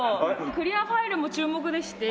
クリアファイルも注目でして。